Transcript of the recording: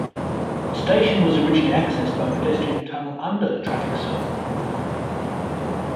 The station was originally accessed by a pedestrian tunnel under the traffic circle.